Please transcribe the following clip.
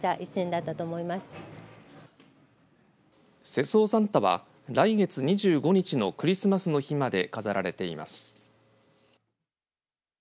世相サンタは、来月２５日のクリスマスの日まで飾られています。